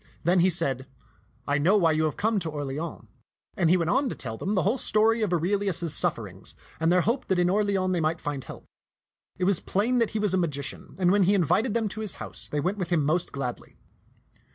Then he said, " I know why you have come to Orleans "; and he went on to tell them the whole story of Aurelius's sufferings and their hope that in Orleans they might find help. It was plain that he was a magician, and when he invited them to his house, they went with him most gladly.